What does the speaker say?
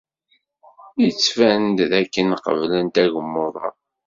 Yettban-d dakken qeblent agmuḍ-a.